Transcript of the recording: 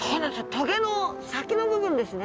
棘の先の部分ですね。